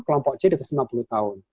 kelompok c di atas lima puluh tahun